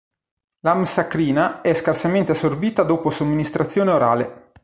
L'amsacrina è scarsamente assorbita dopo somministrazione orale.